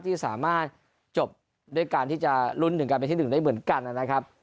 ที่สามารถจบด้วยการที่จะลุ้นถึงการเป็นที่๑ได้เหมือนกันนะครับ